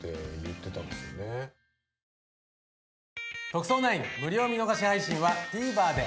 『特捜９』無料見逃し配信はＴＶｅｒで。